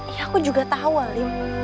iya aku juga tau alim